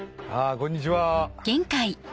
・こんにちは・